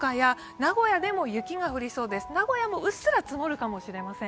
名古屋も、うっすら積もるかもしれません。